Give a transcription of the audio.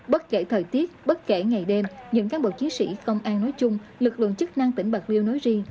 bất kể thời tiết bất kể ngày đêm những cán bộ chiến sĩ công an nói chung lực lượng chức năng tỉnh bạc liêu nói riêng